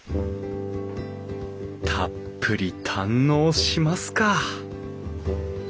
たっぷり堪能しますか！